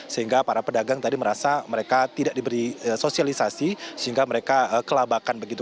sehingga para pedagang tadi merasa mereka tidak diberi sosialisasi sehingga mereka kelabakan begitu